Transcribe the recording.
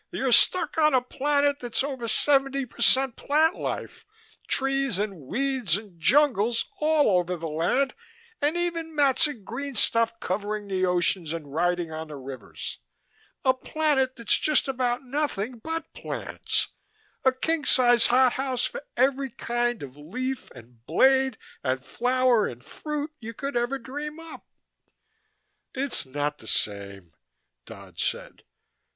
You're stuck on a planet that's over seventy per cent plant life trees and weeds and jungles all over the land and even mats of green stuff covering the oceans and riding on the rivers a planet that's just about nothing but plants, a king sized hothouse for every kind of leaf and blade and flower and fruit you could ever dream up " "It's not the same," Dodd said.